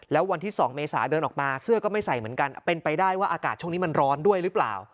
แล้ววันที่๒เมษาเดินออกมาเสื้อก็ไม่ใส่เหมือนกันเป็นไปได้ว่าอากาศช่วงนี้มันร้อนด้วยหรือเปล่า